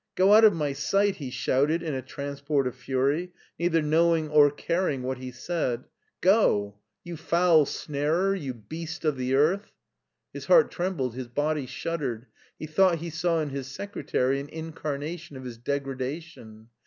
" Go out of my sight !'* he shouted in a transport of fury, neither knowing or caring what he said. " Go ! BERLIN 229 You foul snarer, you beast of the earth !" His heart trembled, his body shuddered : he thought he saw in his secretary an incarnation of his degradation.